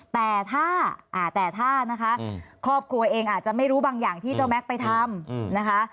แต่ถ้าครอบครัวเองอาจจะไม่รู้บางอย่างที่เจ้าแม็กซ์ไปทำ